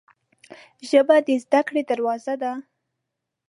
ژبه د زده کړې دروازه ده